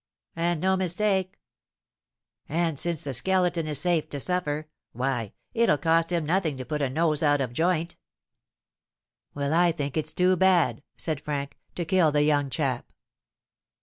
"And no mistake!" "And since the Skeleton is safe to suffer, why, it'll cost him nothing to put a nose out of joint!" "Well, I think it's too bad," said Frank, "to kill the young chap."